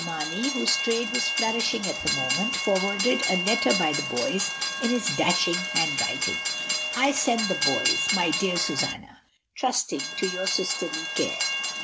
Mamey, whose trade was flourishing for the moment, forwarded a letter by the boys, in his dashing handwriting. "I send the boys, my dear Susanna, trusting to your sisterly care.